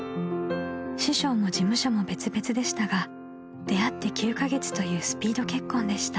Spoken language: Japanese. ［師匠も事務所も別々でしたが出会って９カ月というスピード結婚でした］